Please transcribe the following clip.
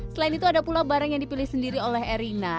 selain itu ada pula barang yang dipilih sendiri oleh erina